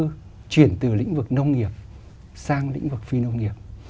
các đô thị mới được chuyển từ lĩnh vực nông nghiệp sang lĩnh vực phi nông nghiệp